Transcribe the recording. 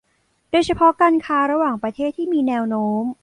โดยเฉพาะการค้าระหว่างประเทศที่มีแนวโน้ม